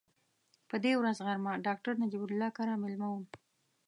په دې ورځ غرمه ډاکټر نجیب الله کره مېلمه وم.